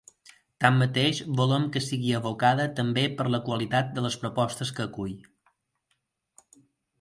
Tanmateix, volem que sigui evocada també per la qualitat de les propostes que acull.